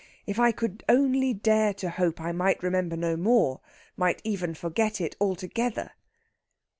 If I could only dare to hope I might remember no more might even forget it altogether."